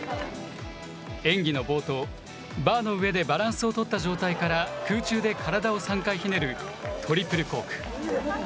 演技の冒頭、バーの上でバランスを取った状態から空中で体を３回ひねるトリプルコーク。